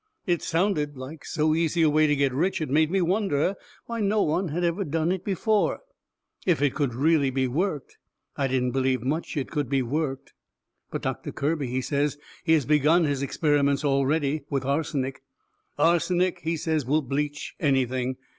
It sounded like so easy a way to get rich it made me wonder why no one had ever done it before, if it could really be worked. I didn't believe much it could be worked. But Doctor Kirby, he says he has begun his experiments already, with arsenic. Arsenic, he says, will bleach anything.